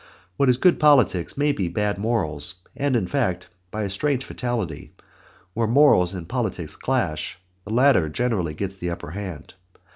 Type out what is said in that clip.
What is good politics may be bad morals, and in fact, by a strange fatality, where morals and politics clash, the latter generally gets the upper hand.